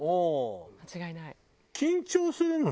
間違いない。